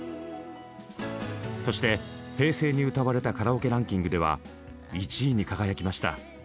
そして平成に歌われたカラオケランキングでは１位に輝きました。